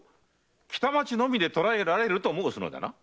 北町のみで捕らえられると申すのだな？